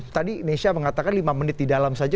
tadi nesya mengatakan lima menit di dalam saja